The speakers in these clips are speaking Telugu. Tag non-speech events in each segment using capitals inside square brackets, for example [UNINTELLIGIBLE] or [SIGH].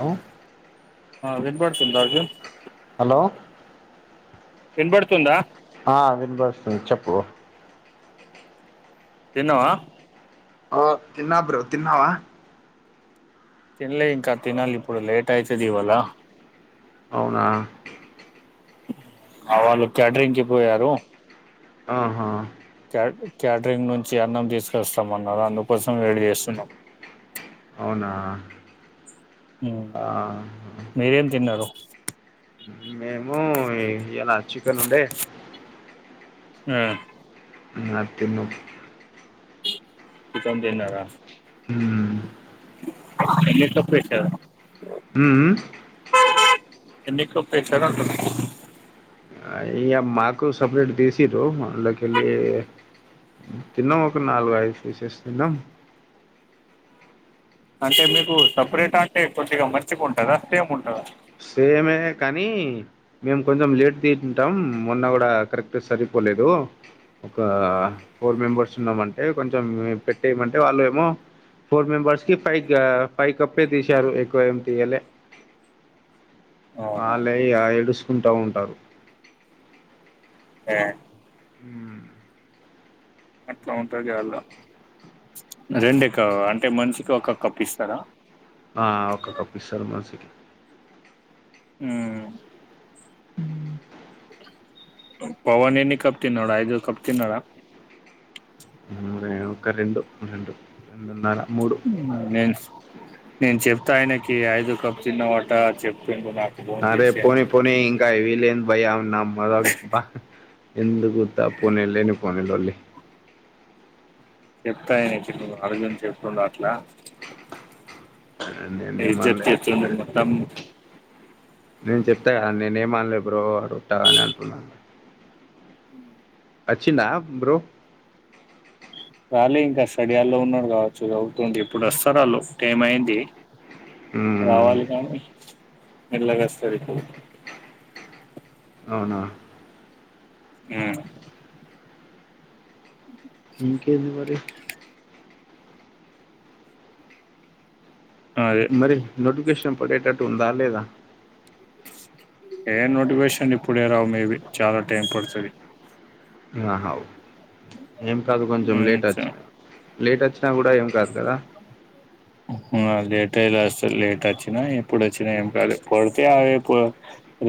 హలో ఆ వినపాడు సుందార్కి హలో వినపడుతుందా ఆ వినపడుతుంది చెప్పు తిన్నావా ఓ తిన్నా బ్రో తిన్నావా తిన్లే ఇంకా తినాలి ఇప్పుడు లేట్ అయితది ఇవాళ అవునా అ వాళ్ళు కే్టరింగ్కిి పోయారు ఆహా కేటరింగ్ నుంచి అన్నం తీసుకొస్తామన్నారు అందుకోసం వెయిట్ చేస్తున్నాం అవునా మ్ ఆ మీరేం తిన్నారు మేము ఈ అ్యలా చికన్ ఉండే హ్మ్మ్ అది తిన్న చికెన్ తిన్నారా హ్మ్మ్ [UNINTELLIGIBLE] ఉమ్ ఎన్ని కప్పు వేశావు అంటున్న ఇక మాకు సపరేట్ తీసిరు అందుళకి వెళ్ళి తిన్నాం ఒక నాలుగు ఐదు పీసెస్ తిన్నాం అంటే మీకు సపరేట్ అంటే కొద్దిగా మంచిగా ఉంటదా సేమ్ ఉంటదా సేమే కానీ మేము కొంచెం లేట్ తింటాం మొన్న కూడా కరెక్ట్ సరిపోలేదు ఒక ఫోర్ మెంబెర్స్ ఉన్నామంటే కొంచెం పెట్టేయమంటే వాళ్ళు ఏమో ఫోర్ మెంబెర్స్కి ఫైవ్ ఫైవ్ కప్పే తీసారు ఎక్కువ ఏమి తీయలే అ అవునా లేయ్య ఆ ఎడ్యూస్ స్త ఉంటారు యా హ్మ్ అవుంతాచలా అదేంటి ఇక అంటే మనిషికి ఒక కప్పు ఇస్తారా ఆ ఒక కప్ ఇస్తారు మనిషికి మ్మ్ పవన్ ఎన్ని కప్ తిన్నాడో ఐదు కప్ తిన్నాడ హ్మ్ నేను ఒక రొండు ఆ రొండు హ్మ్ నేను నేను చెప్తాయన తి ఐదు కప్ తిన్నవాట చెప్పు అరే పోనీ పోనీ ఇంకా వీలే [UNINTELLIGIBLE] ఉతపుడు నేను లేను వన్ అండ్ ఓన్లీ చెప్తాయ ఏంటి అర్జున్ చెప్తుండ అట్లా నేనేమనలే ఇజ్జప్తి అతుమ్ నేను చెప్తా కదా నేను ఏం అన్నలే బ్రో అ రట్టా అని అంటున్నాడు వచ్చిందా బ్రో కానీ ఇంకా స్టడీయాల్లో ఉన్నారుడు కావచ్చు చవుతుంది ఇప్పుడు వస్తారు వాళ్ళు టైం అయింది మ్మ్. రావాలి కానీ మెల్లగా వస్తారు ఇప్పుడు అవునా మ్మ్ ఇంకేంది మరి అదే మరి నోటిఫికేషన్ పడేటట్టు ఉందా లేదా ఏ నోటిఫికేషన్ ఇప్పుడే రావు మేబి చాలా టైం పడతది ఆహా ఏం కాదు కొంచెం లేట్ వచ్చ ఉమ్ లేట్ వచ్చినా కూడా ఏం కాదు కదా ట్రైలస్ లేట్ వచ్చినా ఎప్పుడు వచ్చినా ఏం కాదు పడితే అవే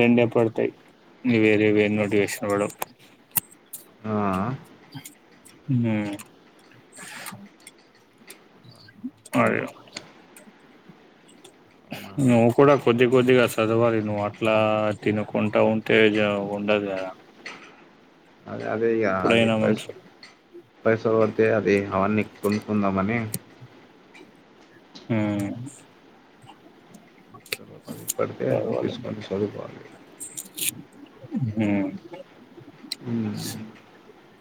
రెండే పడతాయి నువు వేరే వేర నోటివేషన్ ఇవ్వడం ఆ, హ్మ్ అది అవునా నువ్వు కూడా కొద్ది కొద్దిగా చదవాలి నువ్వు అట్లా తినకుంటా ఉంటే జాబ్ ఉండదు కద అదే ఇగ అదే ఇప్ప మనసు పైసావా తే అది అవన్ని కుల్లు ఉందామ్ అని మ్ తర్వాత పడితే చదవాలి తీసుకొని చదువుకోవాలి ఇక ఉహూ మ్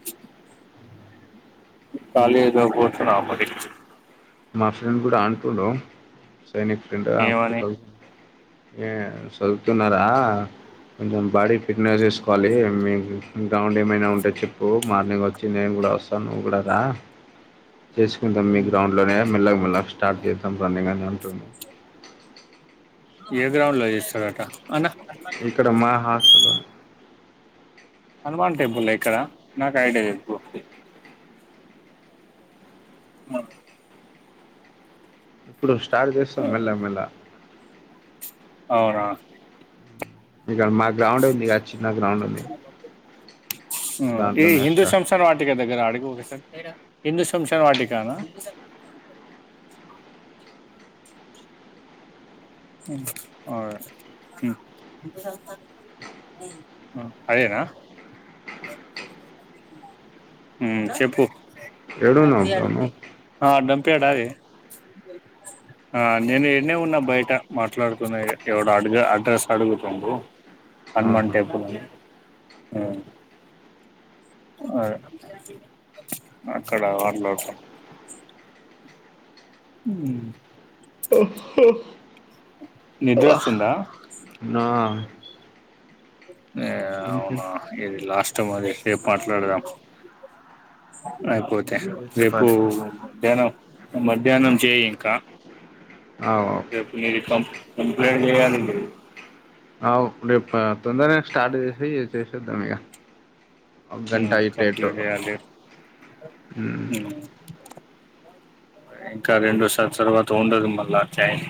కాలేజ్ లో కుచ్చున్నాంమ్ [INAUDIBLE] మా ఫ్రెండ్ గుడా అంటు లో రెనిక్ కింద ఏమని అప్పుడు ఏ చదువుతున్నారా కొంచెం బాడీ ఫిట్నెస్ చేసుకోవాలి మీకు గ్రౌండ్ ఏమైనా ఉంటే చెప్పు మార్నింగ్ వచ్చి నేను కూడా వస్తాను నువ్వు కూడా రా చేసుకుంటాంమ్ మీ గ్రౌండ్ టే మెల్లగ మెల్లగ స్టార్ట్ చేతాం రన్నింగ్ [INAUDIBLE] టూ [INAUDIBLE] ఏ గ్రౌండ్ లో చేస్తార్ అట్టా ఇక్కడ మా హాస్టల్లోనే హనుమాన్ టెంపుల్ ఎక్కడ నాకు ఐడి చెప్పు ఆ ఎప్పుడో [INAUDIBLE] స్టార్ చేసుకొని మెల్ల మెళా అవునా ఇగ మా గ్రౌండ్ ఉంది గ చిన్న గ్రౌండ్ ఉంది ఆ ఏ దాంట్లోనే హిందూస్ స్టార్ట్ శమ్ [INAUDIBLE] వాటిగా దగ్గర అడుగు [INAUDIBLE] హిందు శంషావ వాటిి కానా అ అదేనా మ్ చెప్పు ఏడున్నావ్ [INAUDIBLE] ప్పేడావే ఆ నేనే ఎడ్న్నే ఉన్నా బయ్ టా మాట్లాడుతున్నాయి ఎవడు అడుగ అడ్రస్ అడుగుతుండు హనుమాన్ ఆహా టేంపుల్ [INAUDIBLE] ఆ అ అక్కడ వా [INAUDIBLE] దం ఉ ఓ హో నిద్రస్తుందా [INAUDIBLE] నా నే అవునా ఇంకేంటి ఇది లాస్ట్ ఇష్టం అది రేపు మాట్లాడదాం అయిపోతు ఇంకేంటి టె మరి రేపు చెప్పాలి ధ్యానం మధ్యాహ్నం చేయి ఇంకా అవు పు యూనిఫం ఎప్లం ఏం లేవ అండి ఇపుడు ఆవు రేపు ప తొందరనే స్టార్ట్ చేసి చేసేద్దాం ఇగ అవ్ ఉమ్ గంటయిటెట్టు కంప్లీట్ చేయాలి ఉమ్ ఇంకా రెండోసారి తర్వాత ఉండదు మళ్ళా చైస్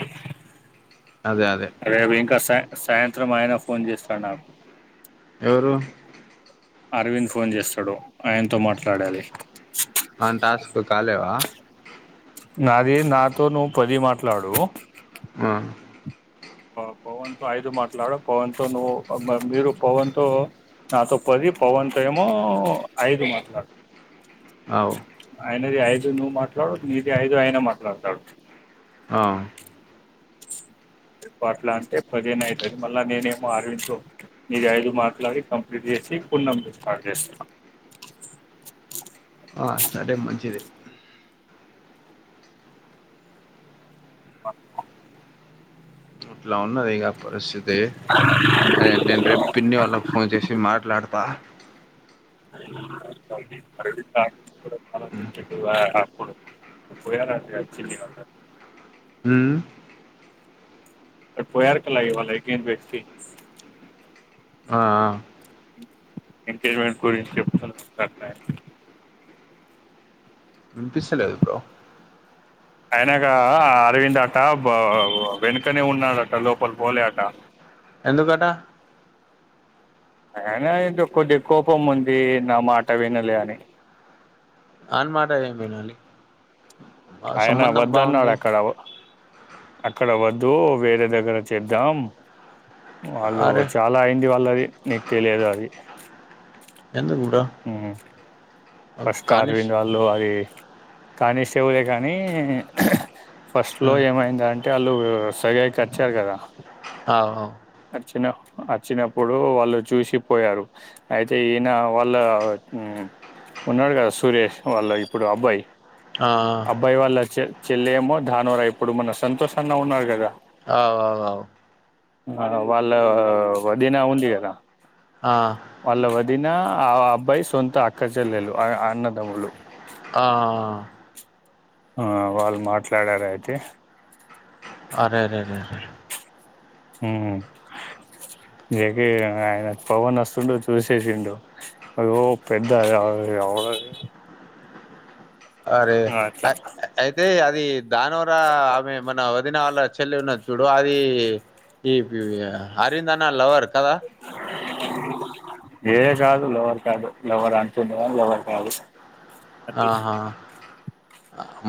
అదే అదే రేవింకా సై సాయంత్రం ఆయన ఫోన్ చేస్తడు నాకు. ఎవరు? అరవింద్ ఫోన్ చేస్తడు, ఆయనతో మాట్లాడాలి. ఆన్ టాస్కులు కాలేవా నాది నాతో నువ్వు పొది మాట్లాడుడు ఉమ్ పవన్తో ఐదు మాట్లాడు పవన్తో నువ్వు, మ మీరు పవన్తో నాతో పది పవన్తో ఏమో ఐదు మాట్లాడు. అవ్ ఆయనది ఐదు నువ్వు మాట్లాడు, నీది ఐదు ఆయన మాట్లాడుతడు. ఆ నువ్ అట్లా అంటే పదహేనయితది, మళ్ళా నేనేమో అరవింద్ తో ఈ ఐదు మాట్లాడి, కంప్లీట్ చేసి పున్నం తో స్టార్ట్ చేస్తా. ఆ సరే మంచిది. ఇట్లా ఉన్నది ఇగ పరిస్థితి అయే నేన్ రేప్ పిన్ని వాళ్లకి ఫోన్ చేసి మాట్లాడతా. కూడా చెప్పిండు అయ అప్పుడు, పోయిన నాకు వచ్చింది ఇవాళ. ఉమ్ పొయ్యారు కల్లా ఇవాళ [UNINTELLIGIBLE] ఆ ఆ ఎంగేజ్మెంట్ గురించి చెప్తూ మాట్లాడతా వినిపిస్తలేదు బ్రో అయినాక అరవింద్ అట బో వెనుకనే ఉన్నాడట లోపల పోలే అట. ఎందుకట ఐన ఏందో కొద్దిగ కోపం ఉంది నా మాట వినలే అని. ఆన్ మాట ఏం వినాలి? ఆ ఆయనా సంబంధం బాగుంది వద్దానాడక్కడవో. అక్కడ వద్దు వేరే దగ్గర చేద్దాం. వాళ్ళు అరే చాలా అయింది వాళ్ళది. నీక్ తెలియదు అది. ఎందుకు బ్రో మ్మ్. ఫస్ట్ కానిష్ అరవింద్ వాళ్ళు అది కానిస్టేబులే కానీ ఫస్ట్ లో ఏమైందంటె వాళ్ళు [UNINTELLIGIBLE] కదా అహ వచ్చిన వచ్చినప్పుడు వాళ్ళు చూసి పోయారు అయితే ఈయన వాళ్ళ ఉన్నడు కదా సురేష్ వాళ్ళ ఇప్పుడు అబ్బాయి అవు అవు ఆ, ఆ, అబ్బాయి వాళ్ళ చె చెల్లెమో దానవరా ఇప్పుడు మన సంతోషన్న ఉన్నారు కదా అవ్ అవ్ అవ్ ఆ వాళ్ళ వదిన ఉంది కదా ఆ, వాళ్ళ వదిన ఆ అబ్బాయి సొంత అక్కచెల్లెలు అన్నదమ్ములు ఆ ఆ వాళ్ళు మాట్లాడరా అయితే అరే రే రే రే ఆ ఆయన పవన్ వస్తుండు చూసేసిండు అది ఓ పెద్ద ఓ అరే అయితే అ [UNINTELLIGIBLE] దానివర ఆమె మన వదిన వాళ్ళ చు చెల్లి ఉన్నది చూడు అది ఈ అరవింద్ అన్న లవర్ కద ఏ చాలు లవర్ క్యాడ్ లోవర్ [UNINTELLIGIBLE] లోవర్ క్యాడ్ ఆహా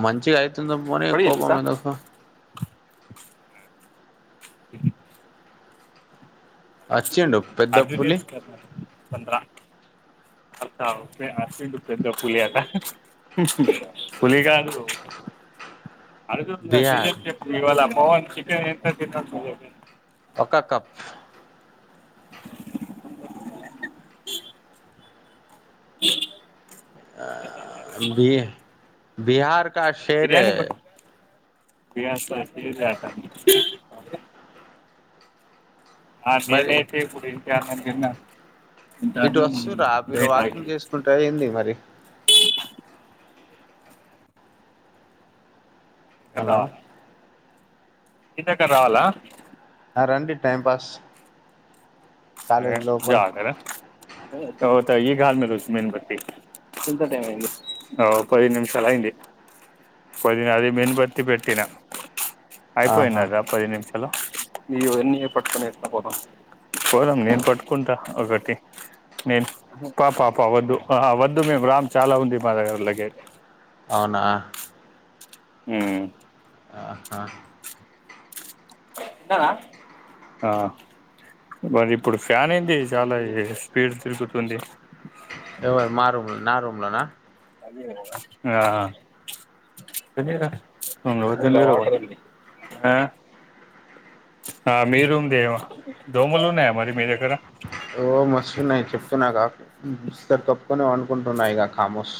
మంచిగయితు తున్నం అని పడి [UNINTELLIGIBLE] చేపిస్తా ఎందుకు హ వచ్చిండు పెద్ద అర్జన్ పులి పంద్ర [UNINTELLIGIBLE] పెద్ద పులి అట పులి కాదు అడుగుతుండు బిహార్ [UNINTELLIGIBLE] చెప్పు ఇవాళ పవన్ చికెన్ ఎంత కిల ఒక కప్ బిర్యానీ బిహార్ కా షేర్ హై బిహార్ క షేర్ హై అంట ఆ మరి నేనైతే ఇప్పుడు తిన్న ఇటు వస్తుర్రా మీరు వాకింగ్ చేసుకుంటా ఏంది మరి నీ దగ్గరకి హలో రావాలా నీ దగ్గర రావాలా ఆ రండి టైంపాస్ ఏ జాతర నేను ఇప్పటివరకు ఈగల్ మేన్బతి ఎంత టై అయింది పది నిమిషాలు అయింది పది అది మేన్బత్తి పెట్నా ఆహా అయిపోయిన్నదా పది నిమిషాలు ఇయ్యి ఎవనియో పట్టుకొని ఎత్తుకపోదాం పోదాం నేను పట్టుకుంటా ఒకటి నేను పా పా పా వద్దు వద్దు మేము రామ్ చాలా ఉంది మా దగ్గర చాలా ఉంది లాగేజ్ అవునా హ్ ఆహా ఆ మరి ఇప్పుడు ఫ్యాన్ ఏంది చాలా ఈ స్పీడ్ తిరుగుతుంది ఎవరు మా రూముల్ నా రూమ్ లానా అఆ ఆ మీ రూమ్దే దోమలు ఉన్నాయా మరి మీ దగ్గర ఓ మస్తున్నాయ్ చెప్పుతే నాకు కాపోవు సరే కప్పుకొని పడుకుంటున్న ఇగ కంబుస్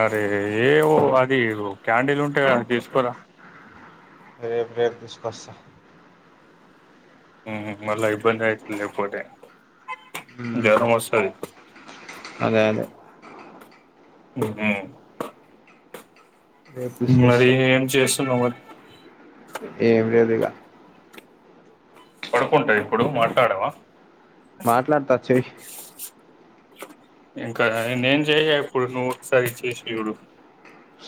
అరే ఏవో ఆది క్యాండిల్ ఉంటది అది తీసుకురా రేపు రేపు తీసుకొస్తా హు మళ్ల ఇబ్బంది అయితుంది లేకపోతే మ్మ్ జ్వరం వస్తాది అదే అదే హుహ్ రేపు మరి తీసుకొస్తా ఏం చేస్తున్నావు మరి ఏం లేదు ఇగ పడుకుంటావా ఇప్పుడు మాట్లాడవా మాట్లాడుతా చెయ్ ఇంకానా నేను చేయ ఇప్పుడు నువ్వు ఒకసారి చేసి చూడు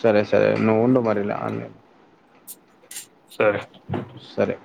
సరే సరే మరి నువ్వు ఉండు మరి ఆన్లైన్ సరే సరే